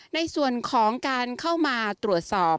ในส่วนของการเข้ามาตรวจสอบ